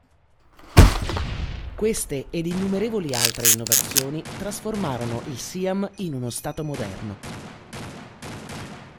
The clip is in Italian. Queste ed innumerevoli altre innovazioni trasformarono il Siam in uno Stato moderno.